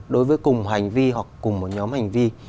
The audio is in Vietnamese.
đối với cùng hành vi hoặc cùng một nhóm hành vi